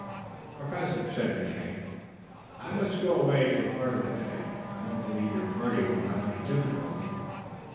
"Professor," said McKay, "I must go away for part of the day. I do not believe your party will have any difficulty.